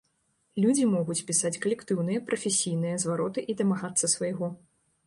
Людзі могуць пісаць калектыўныя, прафесійныя звароты і дамагацца свайго.